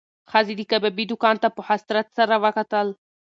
ښځې د کبابي دوکان ته په حسرت سره وکتل.